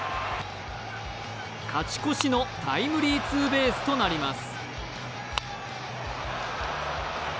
勝ち越しのタイムリーツーベースとなります。